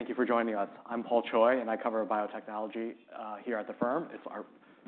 Thank you for joining us. I'm Paul Choi, and I cover biotechnology here at the firm. It's our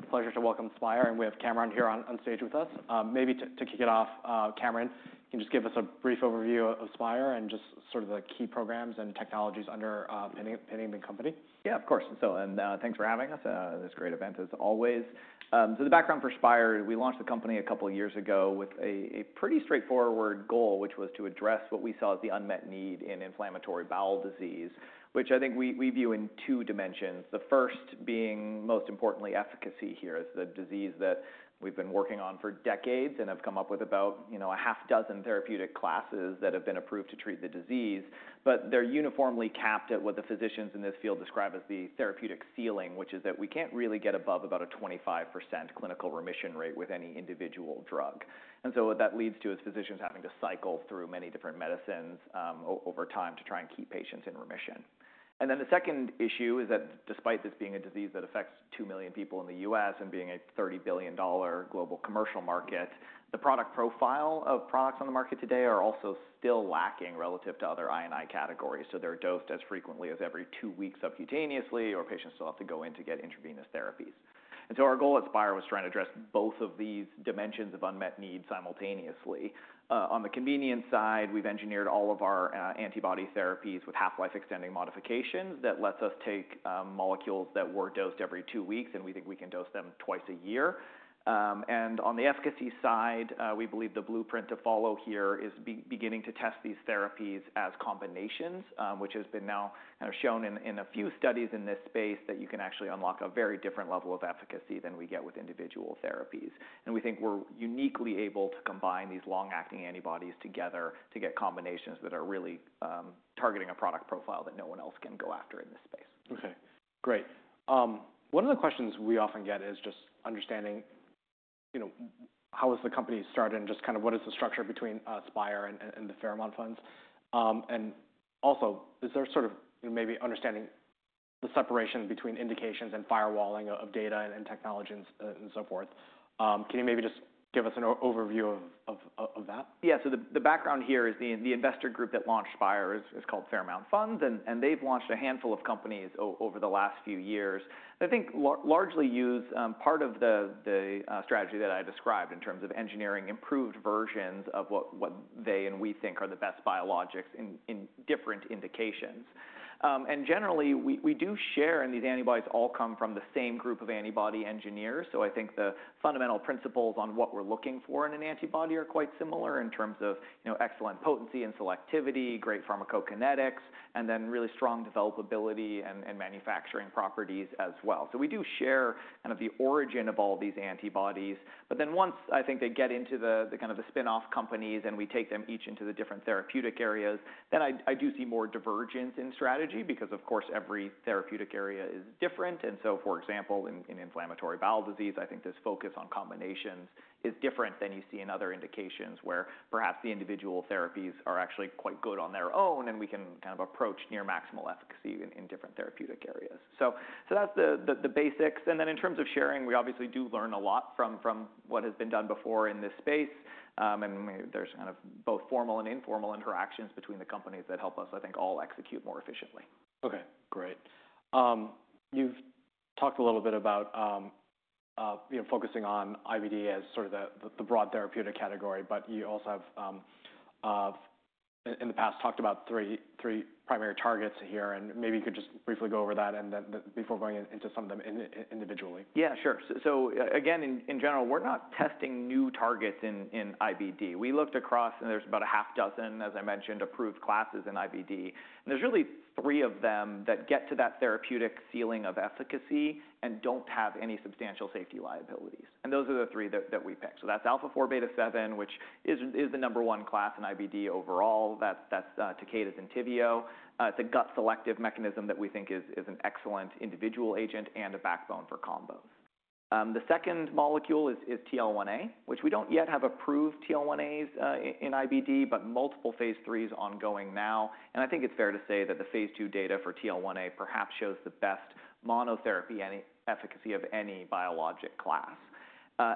pleasure to welcome Spyre, and we have Cameron here on stage with us. Maybe to kick it off, Cameron, can you just give us a brief overview of Spyre and just sort of the key programs and technologies under any main company? Yeah, of course. Thanks for having us at this great event, as always. The background for Spyre, we launched the company a couple of years ago with a pretty straightforward goal, which was to address what we saw as the unmet need in inflammatory bowel disease, which I think we view in two dimensions. The first being, most importantly, efficacy here, as the disease that we've been working on for decades and have come up with about a half dozen therapeutic classes that have been approved to treat the disease. They're uniformly capped at what the physicians in this field describe as the therapeutic ceiling, which is that we can't really get above about a 25% clinical remission rate with any individual drug. What that leads to is physicians having to cycle through many different medicines over time to try and keep patients in remission. The second issue is that despite this being a disease that affects 2 million people in the U.S. and being a $30 billion global commercial market, the product profile of products on the market today are also still lacking relative to other INI categories. They're dosed as frequently as every two weeks subcutaneously, or patients still have to go in to get intravenous therapies. Our goal at Spyre was trying to address both of these dimensions of unmet need simultaneously. On the convenience side, we've engineered all of our antibody therapies with half-life extending modifications that lets us take molecules that were dosed every two weeks, and we think we can dose them twice a year. On the efficacy side, we believe the blueprint to follow here is beginning to test these therapies as combinations, which has been now kind of shown in a few studies in this space that you can actually unlock a very different level of efficacy than we get with individual therapies. We think we're uniquely able to combine these long-acting antibodies together to get combinations that are really targeting a product profile that no one else can go after in this space. OK, great. One of the questions we often get is just understanding how was the company started and just kind of what is the structure between Spyre and the Fairmount Funds. Also, is there sort of maybe understanding the separation between indications and firewalling of data and technologies and so forth? Can you maybe just give us an overview of that? Yeah, so the background here is the investor group that launched Spyre is called Fairmount Funds, and they've launched a handful of companies over the last few years. I think largely use part of the strategy that I described in terms of engineering improved versions of what they and we think are the best biologics in different indications. I think the fundamental principles on what we're looking for in an antibody are quite similar in terms of excellent potency and selectivity, great pharmacokinetics, and then really strong developability and manufacturing properties as well. We do share kind of the origin of all these antibodies. Once I think they get into the kind of the spinoff companies and we take them each into the different therapeutic areas, I do see more divergence in strategy because, of course, every therapeutic area is different. For example, in inflammatory bowel disease, I think this focus on combinations is different than you see in other indications where perhaps the individual therapies are actually quite good on their own and we can kind of approach near maximal efficacy in different therapeutic areas. That's the basics. In terms of sharing, we obviously do learn a lot from what has been done before in this space. There are kind of both formal and informal interactions between the companies that help us, I think, all execute more efficiently. OK, great. You've talked a little bit about focusing on IBD as sort of the broad therapeutic category, but you also have, in the past, talked about three primary targets here. Maybe you could just briefly go over that before going into some of them individually. Yeah, sure. Again, in general, we're not testing new targets in IBD. We looked across, and there's about a half dozen, as I mentioned, approved classes in IBD. There's really three of them that get to that therapeutic ceiling of efficacy and don't have any substantial safety liabilities. Those are the three that we picked. That's alpha-4 beta-7, which is the number one class in IBD overall. That's Takeda's ENTYVIO. It's a gut selective mechanism that we think is an excellent individual agent and a backbone for combos. The second molecule is TL1A, which we don't yet have approved TL1As in IBD, but multiple phase threes ongoing now. I think it's fair to say that the phase two data for TL1A perhaps shows the best monotherapy efficacy of any biologic class.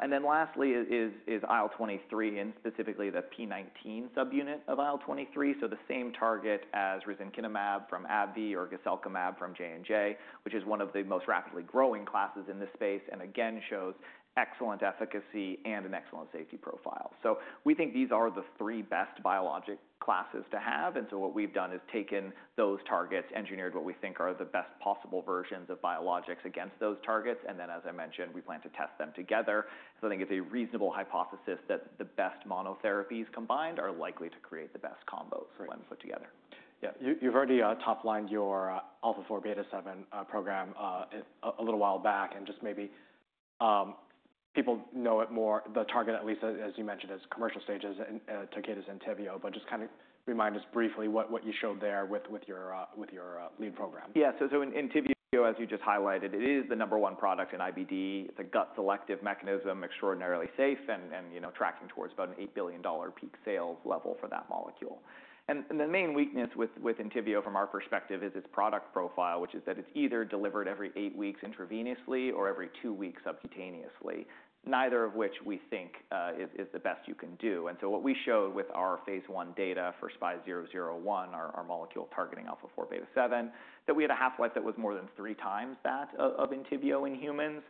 Then lastly is IL-23, and specifically the p19 subunit of IL-23. The same target as risankizumab from AbbVie or guselkumab from J&J, which is one of the most rapidly growing classes in this space and again shows excellent efficacy and an excellent safety profile. We think these are the three best biologic classes to have. What we've done is taken those targets, engineered what we think are the best possible versions of biologics against those targets. As I mentioned, we plan to test them together. I think it's a reasonable hypothesis that the best monotherapies combined are likely to create the best combos when put together. Yeah, you've already toplined your alpha-4 beta-7 program a little while back. Maybe people know it more, the target, at least as you mentioned, is commercial stage, Takeda's ENTYVIO. Just kind of remind us briefly what you showed there with your lead program. Yeah, so ENTYVIO, as you just highlighted, it is the number one product in IBD. It's a gut selective mechanism, extraordinarily safe, and tracking towards about an $8 billion peak sales level for that molecule. The main weakness with ENTYVIO from our perspective is its product profile, which is that it's either delivered every eight weeks intravenously or every two weeks subcutaneously, neither of which we think is the best you can do. What we showed with our phase one data for SPY001, our molecule targeting alpha-4 beta-7, that we had a half-life that was more than three times that of ENTYVIO in humans.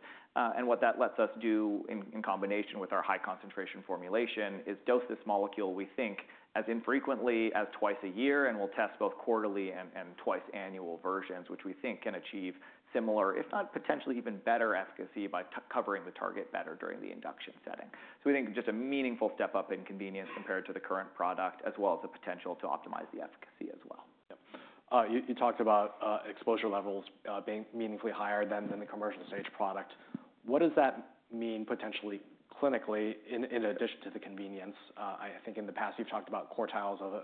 What that lets us do in combination with our high concentration formulation is dose this molecule, we think, as infrequently as twice a year. We will test both quarterly and twice annual versions, which we think can achieve similar, if not potentially even better efficacy by covering the target better during the induction setting. We think just a meaningful step up in convenience compared to the current product, as well as the potential to optimize the efficacy as well. You talked about exposure levels being meaningfully higher than the commercial stage product. What does that mean potentially clinically in addition to the convenience? I think in the past you've talked about quartiles of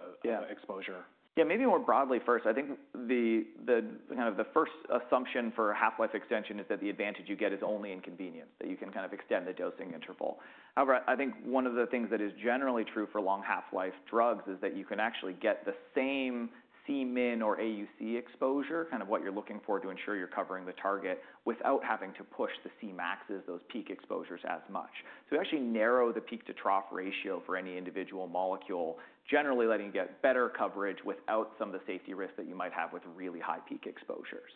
exposure. Yeah, maybe more broadly first. I think kind of the first assumption for half-life extension is that the advantage you get is only in convenience, that you can kind of extend the dosing interval. However, I think one of the things that is generally true for long half-life drugs is that you can actually get the same C-minor AUC exposure, kind of what you're looking for to ensure you're covering the target without having to push the C-maxes, those peak exposures, as much. You actually narrow the peak to trough ratio for any individual molecule, generally letting you get better coverage without some of the safety risks that you might have with really high peak exposures.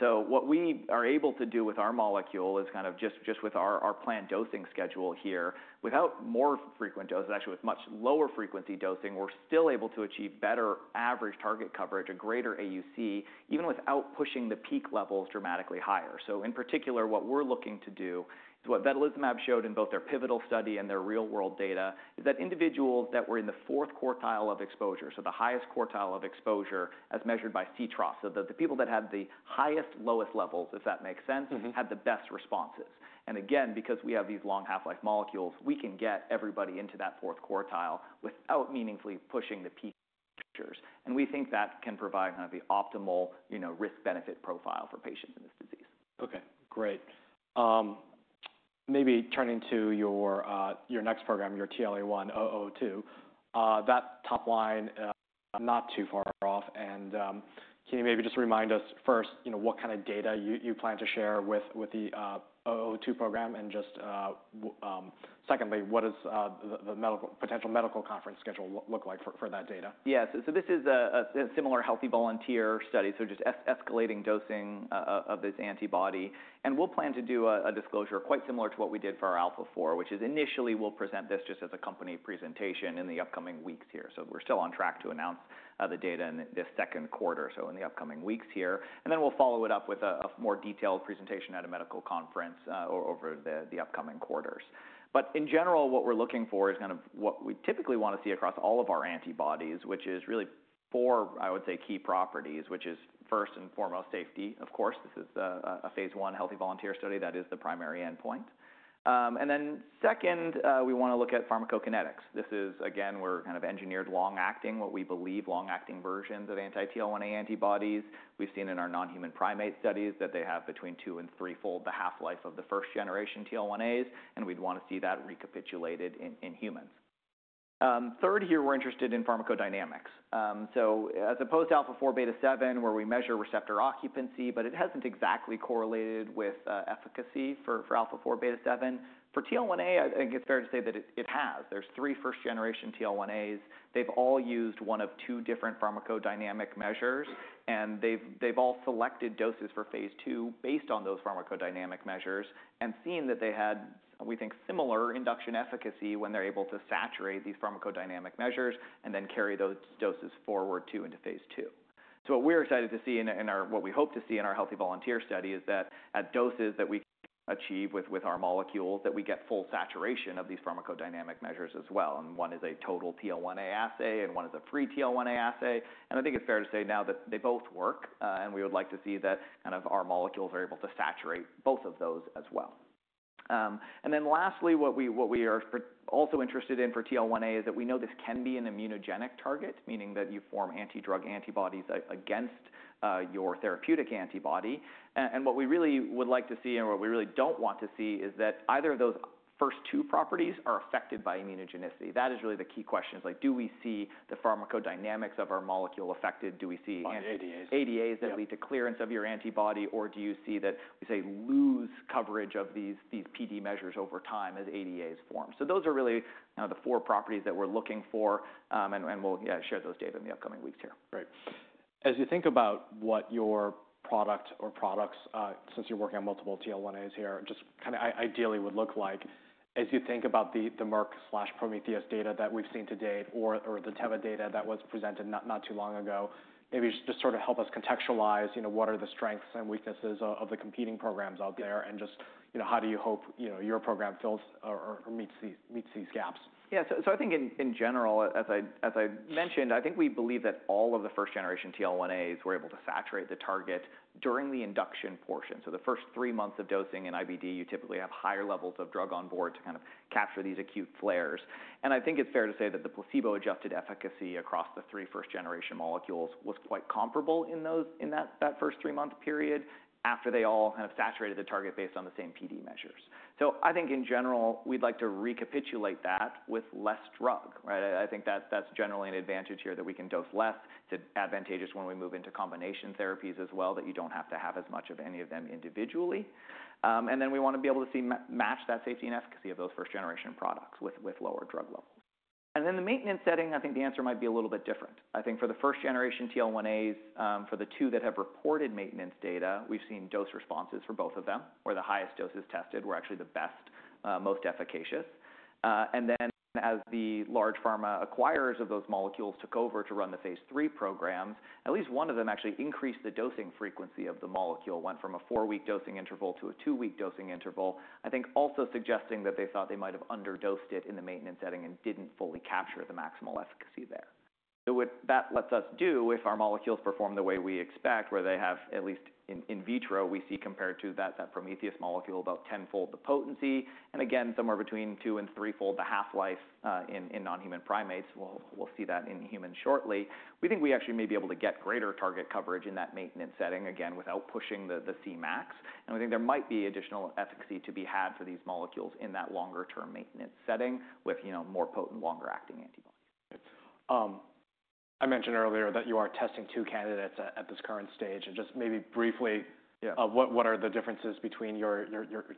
What we are able to do with our molecule is kind of just with our planned dosing schedule here, without more frequent doses, actually with much lower frequency dosing, we're still able to achieve better average target coverage, a greater AUC, even without pushing the peak levels dramatically higher. In particular, what we're looking to do is what vedolizumab showed in both their pivotal study and their real-world data is that individuals that were in the fourth quartile of exposure, so the highest quartile of exposure as measured by C-trough, so the people that had the highest, lowest levels, if that makes sense, had the best responses. Again, because we have these long half-life molecules, we can get everybody into that fourth quartile without meaningfully pushing the peak exposures. We think that can provide kind of the optimal risk-benefit profile for patients in this disease. OK, great. Maybe turning to your next program, your TL1A-1002, that top line. Not too far off. Can you maybe just remind us first what kind of data you plan to share with the 002 program? Just secondly, what does the potential medical conference schedule look like for that data? Yeah, so this is a similar Healthy Volunteer study, so just escalating dosing of this antibody. We'll plan to do a disclosure quite similar to what we did for our Alpha-4, which is initially we'll present this just as a company presentation in the upcoming weeks here. We're still on track to announce the data in this second quarter, in the upcoming weeks here. We'll follow it up with a more detailed presentation at a medical conference over the upcoming quarters. In general, what we're looking for is kind of what we typically want to see across all of our antibodies, which is really four, I would say, key properties, which is first and foremost safety, of course. This is a phase one Healthy Volunteer study. That is the primary endpoint. Second, we want to look at pharmacokinetics. This is, again, we're kind of engineered long-acting, what we believe long-acting versions of anti-TL1A antibodies. We've seen in our non-human primate studies that they have between two- and three-fold the half-life of the first-generation TL1As, and we'd want to see that recapitulated in humans. Third here, we're interested in pharmacodynamics. As opposed to alpha-4 beta-7, where we measure receptor occupancy, but it hasn't exactly correlated with efficacy for alpha-4 beta-7. For TL1A, I think it's fair to say that it has. There's three first-generation TL1As. They've all used one of two different pharmacodynamic measures. They've all selected doses for phase two based on those pharmacodynamic measures and seen that they had, we think, similar induction efficacy when they're able to saturate these pharmacodynamic measures and then carry those doses forward into phase two. What we are excited to see in our, what we hope to see in our Healthy Volunteer study is that at doses that we achieve with our molecules, we get full saturation of these pharmacodynamic measures as well. One is a total TL1A assay, and one is a free TL1A assay. I think it is fair to say now that they both work, and we would like to see that our molecules are able to saturate both of those as well. Lastly, what we are also interested in for TL1A is that we know this can be an immunogenic target, meaning that you form anti-drug antibodies against your therapeutic antibody. What we really would like to see and what we really do not want to see is that either of those first two properties are affected by immunogenicity. That is really the key questions. Like, do we see the pharmacodynamics of our molecule affected? Do we see cs that lead to clearance of your antibody? Or do you see that we say lose coverage of these PD measures over time as ADAs form? Those are really the four properties that we're looking for. We'll share those data in the upcoming weeks here. Great. As you think about what your product or products, since you're working on multiple TL1As here, just kind of ideally would look like, as you think about the Merck/Prometheus data that we've seen to date or the Teva data that was presented not too long ago, maybe just sort of help us contextualize what are the strengths and weaknesses of the competing programs out there and just how do you hope your program fills or meets these gaps? Yeah, so I think in general, as I mentioned, I think we believe that all of the first-generation TL1As were able to saturate the target during the induction portion. The first three months of dosing in IBD, you typically have higher levels of drug on board to kind of capture these acute flares. I think it's fair to say that the placebo-adjusted efficacy across the three first-generation molecules was quite comparable in that first three-month period after they all kind of saturated the target based on the same PD measures. I think in general, we'd like to recapitulate that with less drug. I think that's generally an advantage here that we can dose less. It's advantageous when we move into combination therapies as well that you don't have to have as much of any of them individually. We want to be able to see match that safety and efficacy of those first-generation products with lower drug levels. In the maintenance setting, I think the answer might be a little bit different. I think for the first-generation TL1As, for the two that have reported maintenance data, we've seen dose responses for both of them where the highest doses tested were actually the best, most efficacious. As the large pharma acquirers of those molecules took over to run the phase three programs, at least one of them actually increased the dosing frequency of the molecule, went from a four-week dosing interval to a two-week dosing interval, I think also suggesting that they thought they might have underdosed it in the maintenance setting and did not fully capture the maximal efficacy there. What that lets us do, if our molecules perform the way we expect, where they have at least in vitro, we see compared to that Prometheus molecule about tenfold the potency. Again, somewhere between two- and threefold the half-life in non-human primates. We will see that in humans shortly. We think we actually may be able to get greater target coverage in that maintenance setting, again, without pushing the C-max. We think there might be additional efficacy to be had for these molecules in that longer-term maintenance setting with more potent, longer-acting antibodies. I mentioned earlier that you are testing two candidates at this current stage. Just maybe briefly, what are the differences between your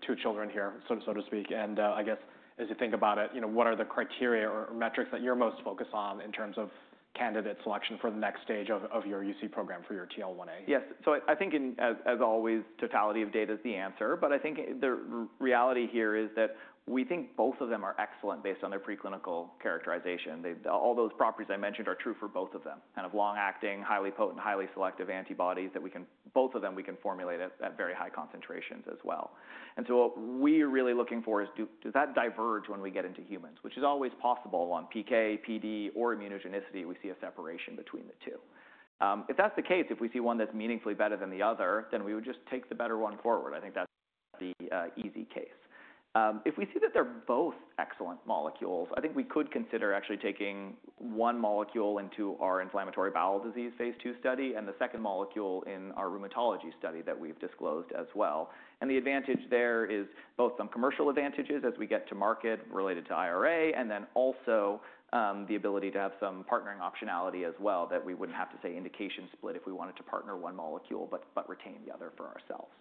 two children here, so to speak? I guess as you think about it, what are the criteria or metrics that you're most focused on in terms of candidate selection for the next stage of your UC program for your TL1A? Yes, so I think, as always, totality of data is the answer. I think the reality here is that we think both of them are excellent based on their preclinical characterization. All those properties I mentioned are true for both of them, kind of long-acting, highly potent, highly selective antibodies that we can, both of them we can formulate at very high concentrations as well. What we are really looking for is, does that diverge when we get into humans, which is always possible on PK, PD, or immunogenicity, we see a separation between the two. If that's the case, if we see one that's meaningfully better than the other, then we would just take the better one forward. I think that's the easy case. If we see that they're both excellent molecules, I think we could consider actually taking one molecule into our inflammatory bowel disease phase two study and the second molecule in our rheumatology study that we've disclosed as well. The advantage there is both some commercial advantages as we get to market related to IRA and then also the ability to have some partnering optionality as well that we wouldn't have to say indication split if we wanted to partner one molecule but retain the other for ourselves.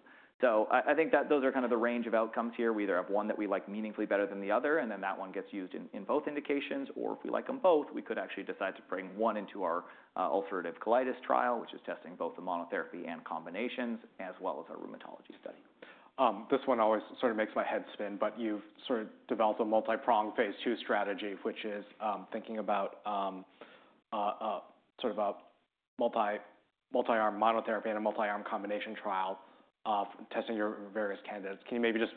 I think that those are kind of the range of outcomes here. We either have one that we like meaningfully better than the other, and then that one gets used in both indications. Or if we like them both, we could actually decide to bring one into our ulcerative colitis trial, which is testing both the monotherapy and combinations, as well as our rheumatology study. This one always sort of makes my head spin, but you've sort of developed a multi-pronged phase II strategy, which is thinking about sort of a multi-arm monotherapy and a multi-arm combination trial of testing your various candidates. Can you maybe just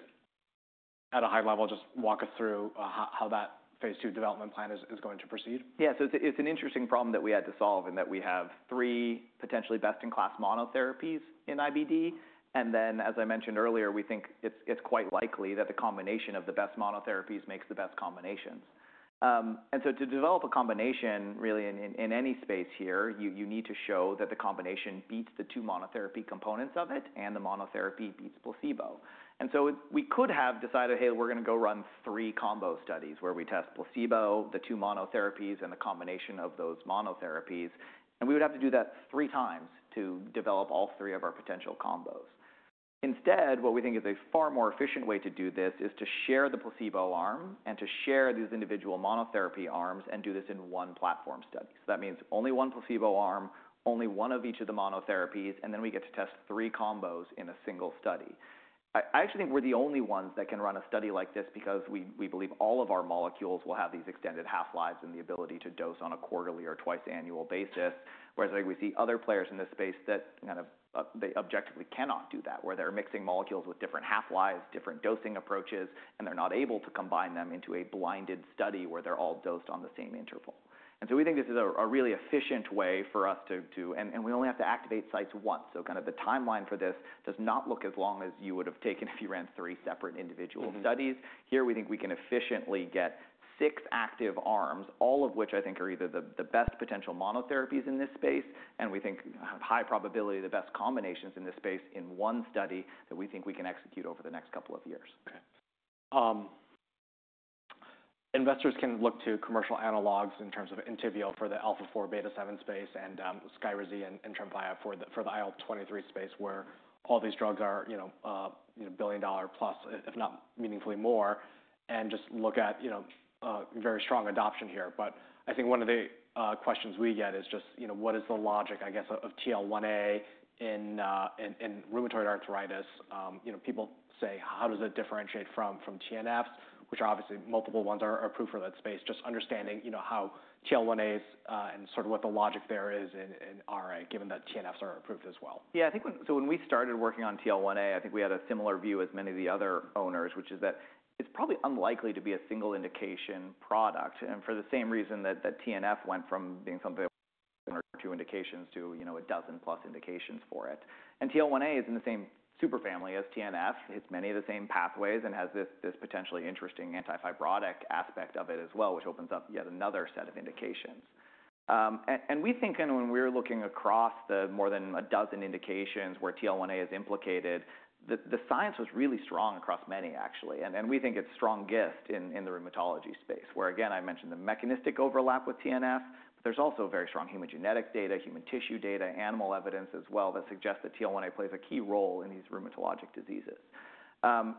at a high level just walk us through how that phase II development plan is going to proceed? Yeah, so it's an interesting problem that we had to solve in that we have three potentially best-in-class monotherapies in IBD. As I mentioned earlier, we think it's quite likely that the combination of the best monotherapies makes the best combinations. To develop a combination, really, in any space here, you need to show that the combination beats the two monotherapy components of it, and the monotherapy beats placebo. We could have decided, hey, we're going to go run three combo studies where we test placebo, the two monotherapies, and the combination of those monotherapies. We would have to do that three times to develop all three of our potential combos. Instead, what we think is a far more efficient way to do this is to share the placebo arm and to share these individual monotherapy arms and do this in one platform study. That means only one placebo arm, only one of each of the monotherapies, and then we get to test three combos in a single study. I actually think we're the only ones that can run a study like this because we believe all of our molecules will have these extended half-lives and the ability to dose on a quarterly or twice-annual basis. Whereas I think we see other players in this space that kind of they objectively cannot do that, where they're mixing molecules with different half-lives, different dosing approaches, and they're not able to combine them into a blinded study where they're all dosed on the same interval. We think this is a really efficient way for us to, and we only have to activate sites once. Kind of the timeline for this does not look as long as you would have taken if you ran three separate individual studies. Here, we think we can efficiently get six active arms, all of which I think are either the best potential monotherapies in this space, and we think have high probability the best combinations in this space in one study that we think we can execute over the next couple of years. Investors can look to commercial analogs in terms of ENTYVIO for the alpha-4 beta-7 space, and SKYRIZI and TREMFYA for the IL-23 space, where all these drugs are a billion-dollar plus, if not meaningfully more, and just look at very strong adoption here. I think one of the questions we get is just, what is the logic, I guess, of TL1A in rheumatoid arthritis? People say, how does it differentiate from TNFs, which are obviously multiple ones are approved for that space? Just understanding how TL1As and sort of what the logic there is in RA, given that TNFs are approved as well. Yeah, I think so when we started working on TL1A, I think we had a similar view as many of the other owners, which is that it's probably unlikely to be a single indication product. For the same reason that TNF went from being something with one or two indications to a dozen-plus indications for it. TL1A is in the same superfamily as TNF. It's many of the same pathways and has this potentially interesting anti-fibrotic aspect of it as well, which opens up yet another set of indications. We think kind of when we're looking across the more than a dozen indications where TL1A is implicated, the science was really strong across many, actually. We think it's strong gist in the rheumatology space, where, again, I mentioned the mechanistic overlap with TNF, but there's also very strong human genetic data, human tissue data, animal evidence as well that suggests that TL1A plays a key role in these rheumatologic diseases.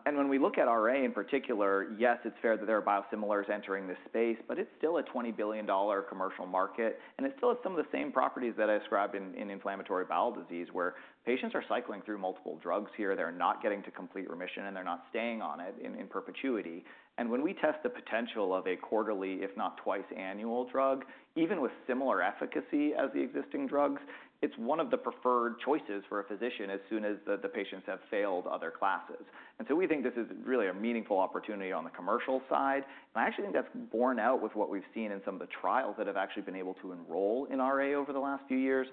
When we look at RA in particular, yes, it's fair that there are biosimilars entering this space, but it's still a $20 billion commercial market. It still has some of the same properties that I described in inflammatory bowel disease, where patients are cycling through multiple drugs here. They're not getting to complete remission, and they're not staying on it in perpetuity. When we test the potential of a quarterly, if not twice-annual drug, even with similar efficacy as the existing drugs, it's one of the preferred choices for a physician as soon as the patients have failed other classes. We think this is really a meaningful opportunity on the commercial side. I actually think that's borne out with what we've seen in some of the trials that have actually been able to enroll in RA over the last few years.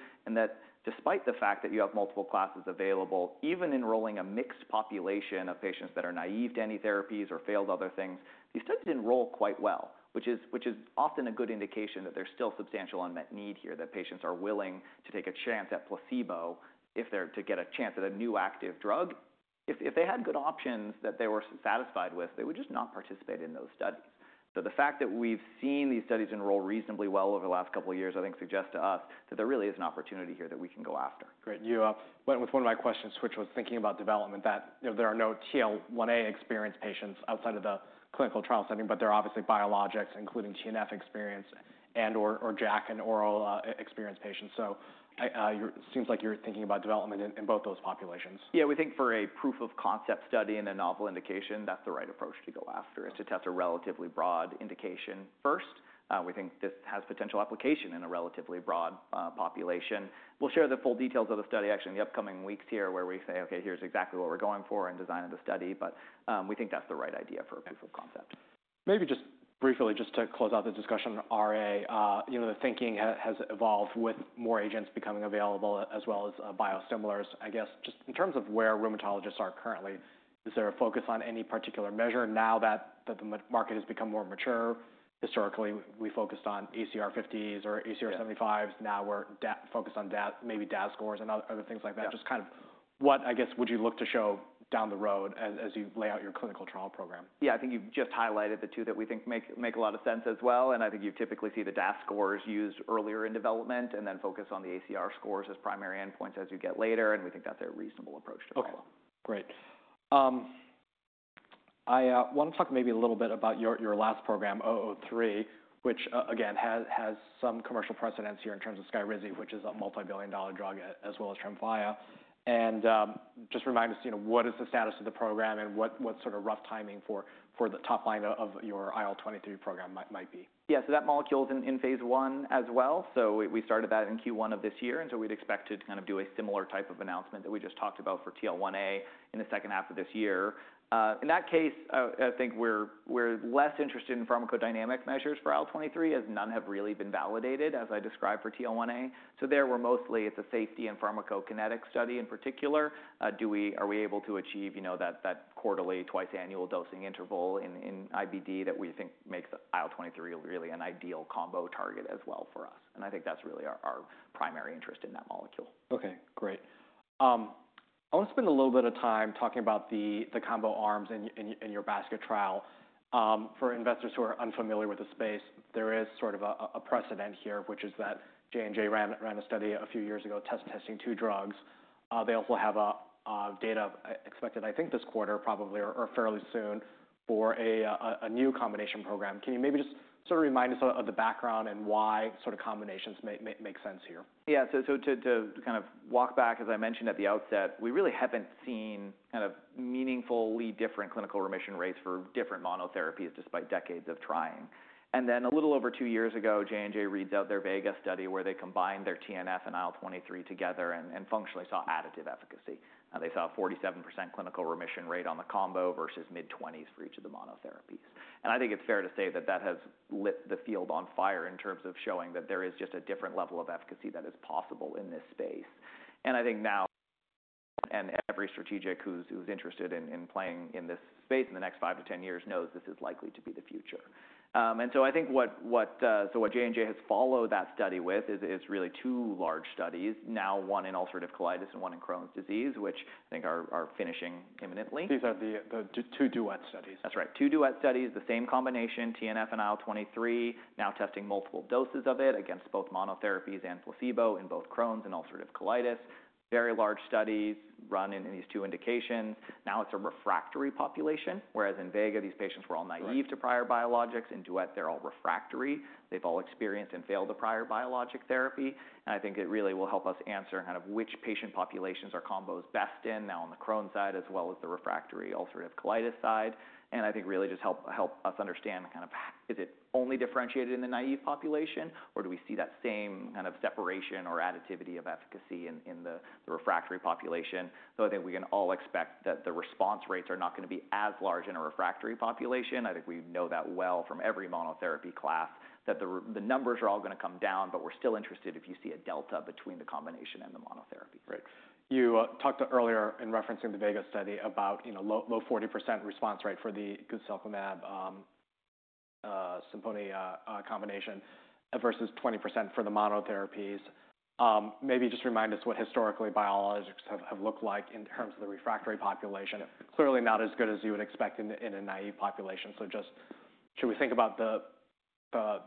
Despite the fact that you have multiple classes available, even enrolling a mixed population of patients that are naive to any therapies or failed other things, these studies enroll quite well, which is often a good indication that there's still substantial unmet need here, that patients are willing to take a chance at placebo if they're to get a chance at a new active drug. If they had good options that they were satisfied with, they would just not participate in those studies. The fact that we've seen these studies enroll reasonably well over the last couple of years, I think suggests to us that there really is an opportunity here that we can go after. Great. You went with one of my questions, which was thinking about development, that there are no TL1A experienced patients outside of the clinical trial setting, but there are obviously biologics, including TNF experienced and/or JAK and oral experienced patients. It seems like you're thinking about development in both those populations. Yeah, we think for a proof of concept study in a novel indication, that's the right approach to go after, is to test a relatively broad indication first. We think this has potential application in a relatively broad population. We'll share the full details of the study actually in the upcoming weeks here where we say, OK, here's exactly what we're going for in designing the study. We think that's the right idea for a proof of concept. Maybe just briefly, just to close out the discussion on RA, the thinking has evolved with more agents becoming available as well as biosimilars. I guess just in terms of where rheumatologists are currently, is there a focus on any particular measure now that the market has become more mature? Historically, we focused on ACR50s or ACR75s. Now we're focused on maybe DAS scores and other things like that. Just kind of what, I guess, would you look to show down the road as you lay out your clinical trial program? Yeah, I think you've just highlighted the two that we think make a lot of sense as well. I think you typically see the DAS scores used earlier in development and then focus on the ACR scores as primary endpoints as you get later. We think that's a reasonable approach to follow. OK, great. I want to talk maybe a little bit about your last program, 003, which, again, has some commercial precedence here in terms of SKYRIZI, which is a multi-billion-dollar drug, as well as TREMFYA. Just remind us, what is the status of the program and what sort of rough timing for the top line of your IL-23 program might be? Yeah, so that molecule is in phase I as well. We started that in Q1 of this year. We would expect to kind of do a similar type of announcement that we just talked about for TL1A in the second half of this year. In that case, I think we're less interested in pharmacodynamic measures for IL-23, as none have really been validated, as I described for TL1A. There, we're mostly, it's a safety and pharmacokinetic study in particular. Are we able to achieve that quarterly, twice-annual dosing interval in IBD that we think makes IL-23 really an ideal combo target as well for us? I think that's really our primary interest in that molecule. OK, great. I want to spend a little bit of time talking about the combo arms in your basket trial. For investors who are unfamiliar with the space, there is sort of a precedent here, which is that J&J ran a study a few years ago testing two drugs. They also have data expected, I think this quarter probably or fairly soon, for a new combination program. Can you maybe just sort of remind us of the background and why sort of combinations make sense here? Yeah, to kind of walk back, as I mentioned at the outset, we really have not seen kind of meaningfully different clinical remission rates for different monotherapies despite decades of trying. A little over two years ago, J&J reads out their VEGA study where they combined their TNF and IL-23 together and functionally saw additive efficacy. They saw a 47% clinical remission rate on the combo versus mid-20s for each of the monotherapies. I think it is fair to say that has lit the field on fire in terms of showing that there is just a different level of efficacy that is possible in this space. I think now every strategic who is interested in playing in this space in the next five or 10 years knows this is likely to be the future. I think what J&J has followed that study with is really two large studies, now one in ulcerative colitis and one in Crohn's disease, which I think are finishing imminently. These are the two DUET studies. That's right. Two DUET studies, the same combination, TNF and IL-23, now testing multiple doses of it against both monotherapies and placebo in both Crohn's and ulcerative colitis. Very large studies run in these two indications. Now it's a refractory population, whereas in VEGA, these patients were all naive to prior biologics. In DUET, they're all refractory. They've all experienced and failed the prior biologic therapy. I think it really will help us answer kind of which patient populations are combos best in, now on the Crohn's side as well as the refractory ulcerative colitis side. I think really just help us understand kind of is it only differentiated in the naive population, or do we see that same kind of separation or additivity of efficacy in the refractory population? Though I think we can all expect that the response rates are not going to be as large in a refractory population. I think we know that well from every monotherapy class, that the numbers are all going to come down, but we're still interested if you see a delta between the combination and the monotherapy. Right. You talked earlier in referencing the VEGA study about low 40% response rate for the guselkumab-SIMPONI combination versus 20% for the monotherapies. Maybe just remind us what historically biologics have looked like in terms of the refractory population. Clearly not as good as you would expect in a naive population. So just should we think about the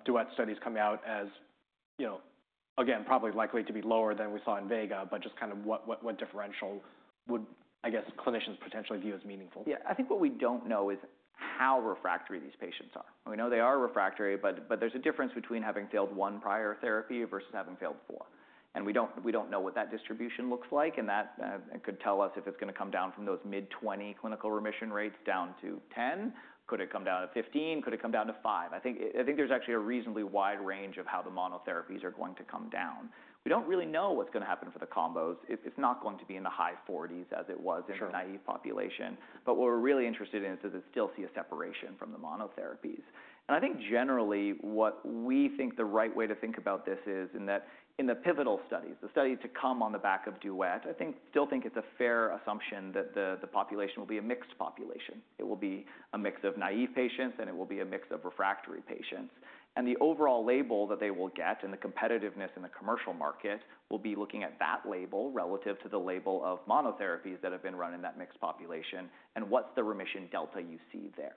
DUET studies coming out as, again, probably likely to be lower than we saw in VEGA, but just kind of what differential would, I guess, clinicians potentially view as meaningful? Yeah, I think what we don't know is how refractory these patients are. We know they are refractory, but there's a difference between having failed one prior therapy versus having failed four. We don't know what that distribution looks like. That could tell us if it's going to come down from those mid-20 clinical remission rates down to 10. Could it come down to 15? Could it come down to five? I think there's actually a reasonably wide range of how the monotherapies are going to come down. We don't really know what's going to happen for the combos. It's not going to be in the high 40 as it was in the naive population. What we're really interested in is does it still see a separation from the monotherapies? I think generally what we think the right way to think about this is that in the pivotal studies, the study to come on the back of DUET, I still think it's a fair assumption that the population will be a mixed population. It will be a mix of naive patients, and it will be a mix of refractory patients. The overall label that they will get and the competitiveness in the commercial market will be looking at that label relative to the label of monotherapies that have been run in that mixed population, and what's the remission delta you see there.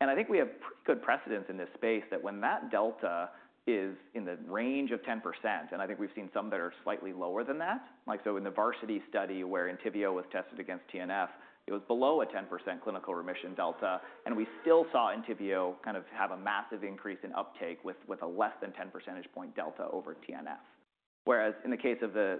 I think we have pretty good precedence in this space that when that delta is in the range of 10%, and I think we've seen some that are slightly lower than that, like in the VARSITY study where ENTYVIO was tested against TNF, it was below a 10% clinical remission delta. We still saw ENTYVIO kind of have a massive increase in uptake with a less than 10 percentage point delta over TNF. Whereas in the case of the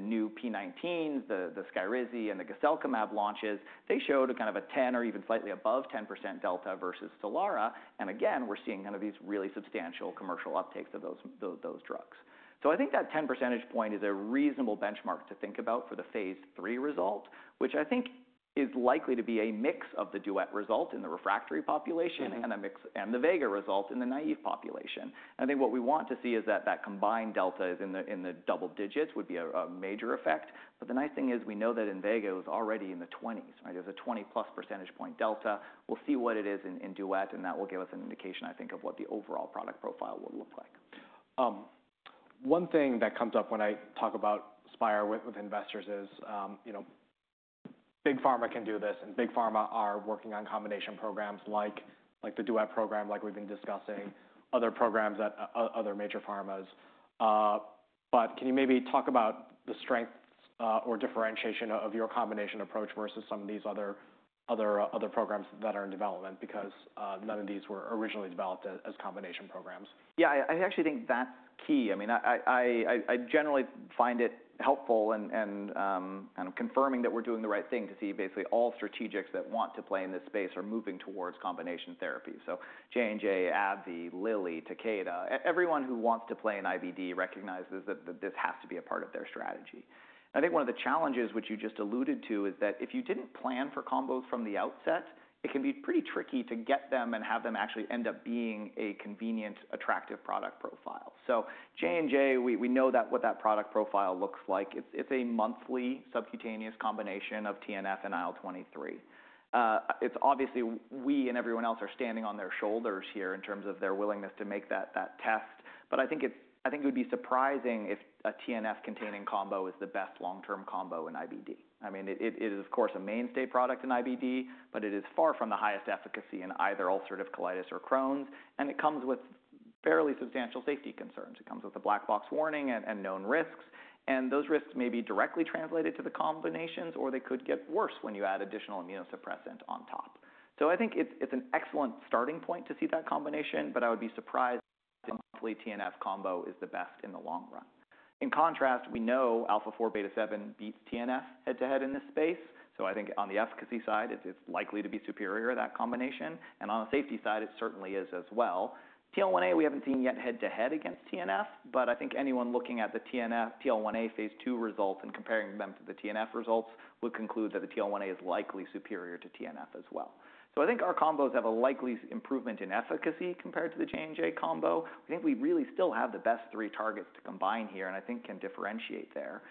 new p19s, the SKYRIZI and the guselkumab launches, they showed kind of a 10 or even slightly above 10% delta versus STELARA. Again, we're seeing kind of these really substantial commercial uptakes of those drugs. I think that 10 percentage point is a reasonable benchmark to think about for the phase three result, which I think is likely to be a mix of the DUET result in the refractory population and the VEGA result in the naive population. I think what we want to see is that that combined delta is in the double digits would be a major effect. The nice thing is we know that in VEGA it was already in the 20s. There's a 20+ percentage point delta. We'll see what it is in DUET, and that will give us an indication, I think, of what the overall product profile will look like. One thing that comes up when I talk about Spyre with investors is big pharma can do this, and big pharma are working on combination programs like the DUET program, like we've been discussing, other programs at other major pharmas. Can you maybe talk about the strengths or differentiation of your combination approach versus some of these other programs that are in development, because none of these were originally developed as combination programs? Yeah, I actually think that's key. I mean, I generally find it helpful and kind of confirming that we're doing the right thing to see basically all strategics that want to play in this space are moving towards combination therapy. J&J, AbbVie, Lilly, Takeda, everyone who wants to play in IBD recognizes that this has to be a part of their strategy. I think one of the challenges, which you just alluded to, is that if you didn't plan for combos from the outset, it can be pretty tricky to get them and have them actually end up being a convenient, attractive product profile. J&J, we know what that product profile looks like. It's a monthly subcutaneous combination of TNF and IL-23. It's obviously we and everyone else are standing on their shoulders here in terms of their willingness to make that test. I think it would be surprising if a TNF-containing combo is the best long-term combo in IBD. I mean, it is, of course, a mainstay product in IBD, but it is far from the highest efficacy in either ulcerative colitis or Crohn's. It comes with fairly substantial safety concerns. It comes with a black box warning and known risks. Those risks may be directly translated to the combinations, or they could get worse when you add additional immunosuppressant on top. I think it's an excellent starting point to see that combination, but I would be surprised if a monthly TNF combo is the best in the long run. In contrast, we know alpha-4 beta-7 beats TNF head-to-head in this space. I think on the efficacy side, it's likely to be superior to that combination. On the safety side, it certainly is as well. TL1A, we haven't seen yet head-to-head against TNF, but I think anyone looking at the TL1A phase two results and comparing them to the TNF results would conclude that the TL1A is likely superior to TNF as well. I think our combos have a likely improvement in efficacy compared to the J&J combo. I think we really still have the best three targets to combine here, and I think can differentiate there.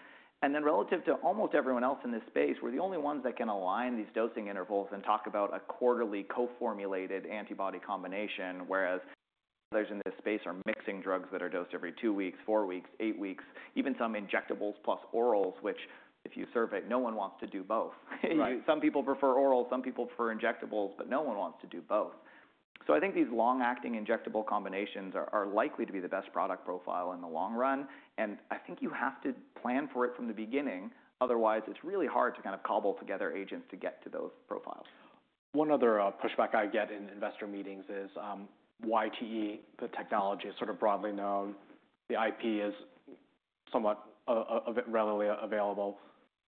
Then relative to almost everyone else in this space, we're the only ones that can align these dosing intervals and talk about a quarterly co-formulated antibody combination, whereas others in this space are mixing drugs that are dosed every two weeks, four weeks, eight weeks, even some injectables plus orals, which if you survey, no one wants to do both. Some people prefer orals, some people prefer injectables, but no one wants to do both. I think these long-acting injectable combinations are likely to be the best product profile in the long run. I think you have to plan for it from the beginning. Otherwise, it's really hard to kind of cobble together agents to get to those profiles. One other pushback I get in investor meetings is YTE, the technology is sort of broadly known. The IP is somewhat readily available.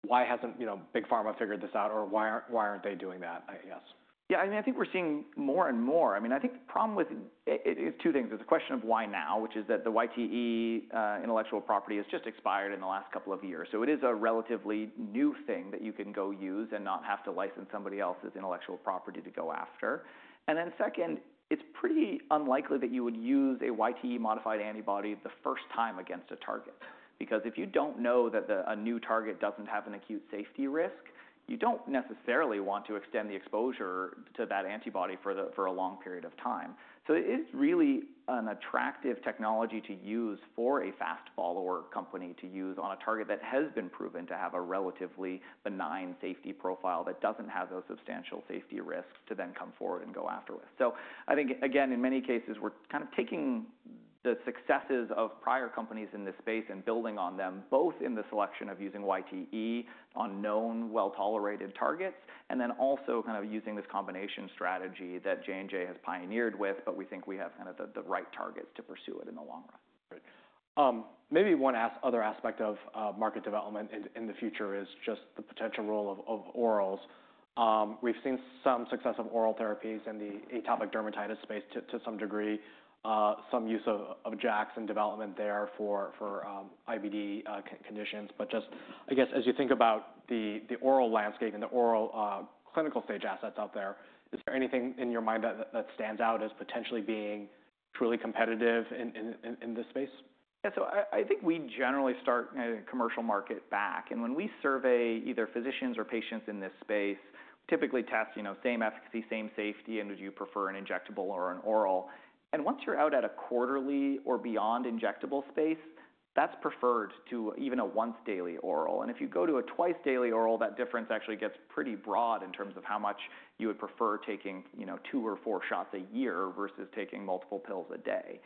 Why hasn't big pharma figured this out, or why aren't they doing that, I guess? Yeah, I mean, I think we're seeing more and more. I mean, I think the problem with it is two things. There's a question of why now, which is that the YTE intellectual property has just expired in the last couple of years. It is a relatively new thing that you can go use and not have to license somebody else's intellectual property to go after. Second, it's pretty unlikely that you would use a YTE modified antibody the first time against a target. Because if you don't know that a new target doesn't have an acute safety risk, you don't necessarily want to extend the exposure to that antibody for a long period of time. It is really an attractive technology to use for a fast follower company to use on a target that has been proven to have a relatively benign safety profile that doesn't have those substantial safety risks to then come forward and go after with. I think, again, in many cases, we're kind of taking the successes of prior companies in this space and building on them, both in the selection of using YTE on known, well-tolerated targets, and then also kind of using this combination strategy that J&J has pioneered with, but we think we have kind of the right targets to pursue it in the long run. Right. Maybe one other aspect of market development in the future is just the potential role of orals. We've seen some success of oral therapies in the atopic dermatitis space to some degree, some use of JAKs in development there for IBD conditions. Just, I guess, as you think about the oral landscape and the oral clinical stage assets out there, is there anything in your mind that stands out as potentially being truly competitive in this space? Yeah, so I think we generally start in the commercial market back. When we survey either physicians or patients in this space, we typically test same efficacy, same safety, and would you prefer an injectable or an oral. Once you're out at a quarterly or beyond injectable space, that's preferred to even a once-daily oral. If you go to a twice-daily oral, that difference actually gets pretty broad in terms of how much you would prefer taking two or four shots a year versus taking multiple pills a day.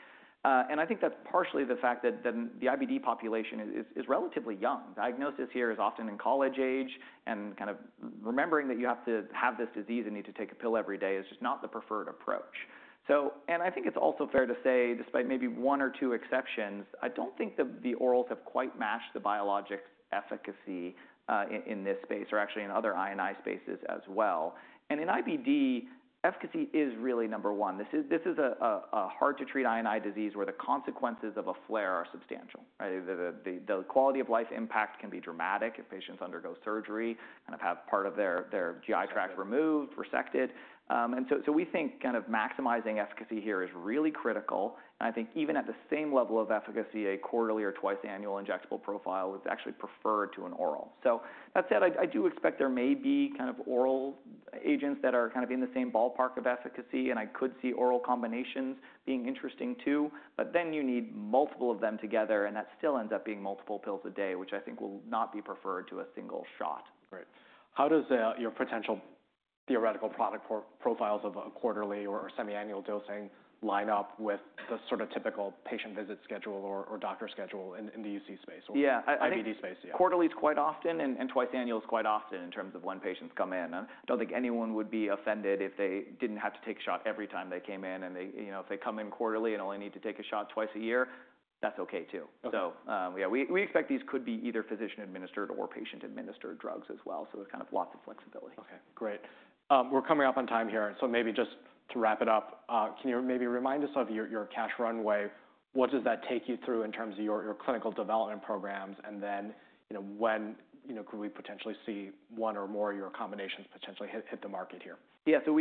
I think that's partially the fact that the IBD population is relatively young. Diagnosis here is often in college age, and kind of remembering that you have to have this disease and need to take a pill every day is just not the preferred approach. I think it's also fair to say, despite maybe one or two exceptions, I don't think that the orals have quite matched the biologic's efficacy in this space, or actually in other INI spaces as well. In IBD, efficacy is really number one. This is a hard-to-treat INI disease where the consequences of a flare are substantial. The quality of life impact can be dramatic if patients undergo surgery and have had part of their GI tract removed, resected. We think kind of maximizing efficacy here is really critical. I think even at the same level of efficacy, a quarterly or twice-annual injectable profile is actually preferred to an oral. That said, I do expect there may be kind of oral agents that are kind of in the same ballpark of efficacy, and I could see oral combinations being interesting too. Then you need multiple of them together, and that still ends up being multiple pills a day, which I think will not be preferred to a single shot. Right. How does your potential theoretical product profiles of a quarterly or semi-annual dosing line up with the sort of typical patient visit schedule or doctor schedule in the UC space or IBD space? Yeah, quarterly is quite often, and twice-annual is quite often in terms of when patients come in. I do not think anyone would be offended if they did not have to take a shot every time they came in. If they come in quarterly and only need to take a shot twice a year, that's OK too. Yeah, we expect these could be either physician-administered or patient-administered drugs as well. There is kind of lots of flexibility. OK, great. We're coming up on time here. Maybe just to wrap it up, can you maybe remind us of your cash runway? What does that take you through in terms of your clinical development programs? When could we potentially see one or more of your combinations potentially hit the market here? Yeah, so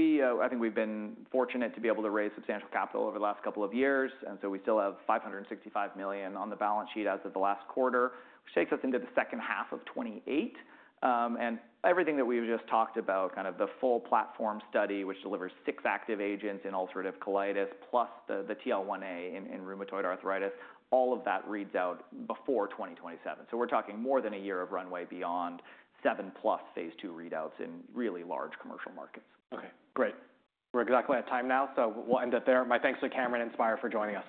I think we've been fortunate to be able to raise substantial capital over the last couple of years. I mean, we still have $565 million on the balance sheet as of the last quarter, which takes us into the second half of 2028. Everything that we've just talked about, kind of the full platform study, which delivers six active agents in ulcerative colitis, plus the TL1A in rheumatoid arthritis, all of that reads out before 2027. We're talking more than a year of runway beyond seven-plus phase II readouts in really large commercial markets. OK, great. We're exactly at time now, so we'll end it there. My thanks to Cameron and Spyre for joining us.